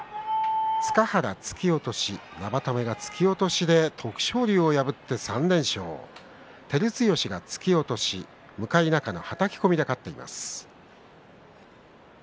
塚原、突き落とし生田目、突き落としで徳勝龍を破って３連勝照強が突き落とし向中野はたき込みで勝っています。